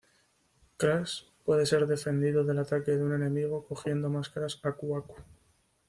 Crash puede ser defendido del ataque de un enemigo cogiendo máscaras Aku Aku.